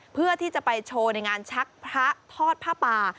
เพื่อที่จะไปโชว์ในงานชักพระทอดผ้าป่า